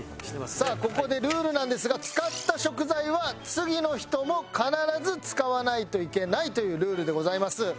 さあここでルールなんですが使った食材は次の人も必ず使わないといけないというルールでございます。